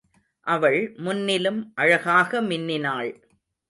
அவள் முன்னிலும் அழகாக மின்னினாள்.